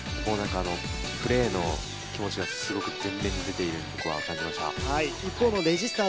プレーの気持ちがすごく全面に出ていると僕は感じました。